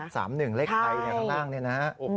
ชัดนะ๓๑เลขไทค์ข้างล่างนี่นะ